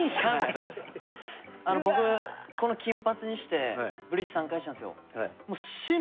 僕この金髪にしてブリーチ３回したんですよ。